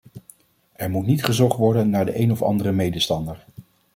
Er moet niet gezocht worden naar de een of andere medestander.